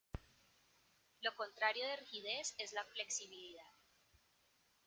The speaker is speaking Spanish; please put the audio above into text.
Lo contrario de rigidez es la flexibilidad.